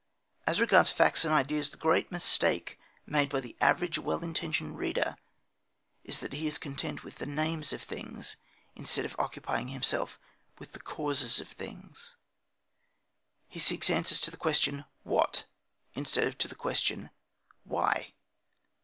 As regards facts and ideas, the great mistake made by the average well intentioned reader is that he is content with the names of things instead of occupying himself with the causes of things. He seeks answers to the question What? instead of to the question Why?